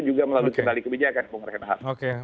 juga melalui kendali kebijakan bung rehat